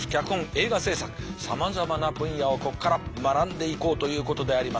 映画制作さまざまな分野をここから学んでいこうということであります。